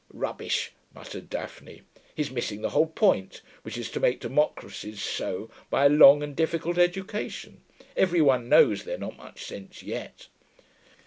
('Rubbish,' muttered Daphne. 'He's missing the whole point, which is to make democracies so, by a long and difficult education. Every one knows they've not much sense yet.')